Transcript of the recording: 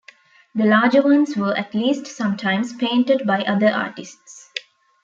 The larger ones were at least sometimes painted by other artists.